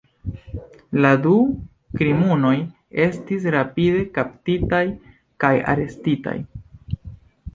La du krimuloj estis rapide kaptitaj kaj arestitaj.